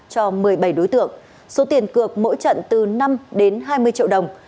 cho một mươi bảy đối tượng số tiền cược mỗi trận từ năm đến hai mươi triệu đồng